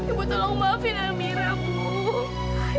ibu tolong maafin amyra bu